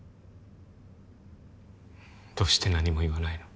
どうして何も言わないの？